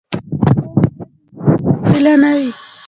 قوم باید د نفرت وسیله نه وي.